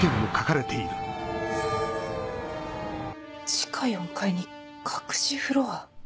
地下４階に隠しフロア？